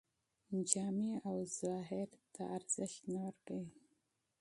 لباس او ظاهر ته ارزښت نه ورکوي